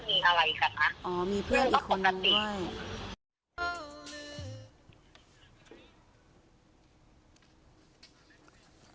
มีอะไรกันนะอ๋อมีเพื่อนอีกคนนึง